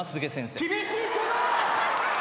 厳しいけど！